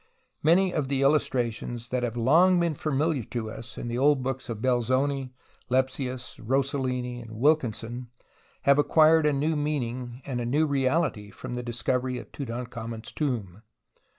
INIany of the illustrations that have long been familiar to us in the old books of Belzoni, Lepsius, Rosellini, and Wilkinson, have acquired a new meaning and a new reality from the discovery of Tutan khamen's tomb.